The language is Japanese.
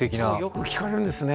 よく聞かれるんですね